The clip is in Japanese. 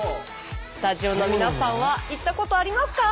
スタジオの皆さんは行ったことありますか？